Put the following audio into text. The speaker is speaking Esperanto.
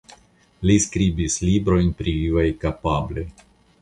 Li skribis librojn pri vivaj kapabloj.